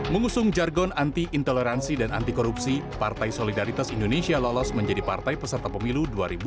mengusung jargon anti intoleransi dan anti korupsi partai solidaritas indonesia lolos menjadi partai peserta pemilu dua ribu dua puluh